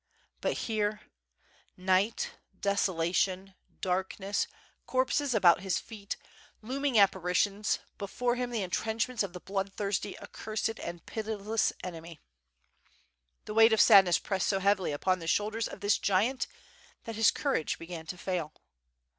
But here — night, desolation, darkness, corpses about his feet, looming ap paritions, before him the entrenchments of the blood thirsty, accursed and pitiless enemy. The weight of sadness pressed so heavily upon the shoul ders of this giant that his courage began to fail.